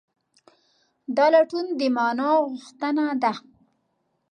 دا لټون د مانا غوښتنه ده.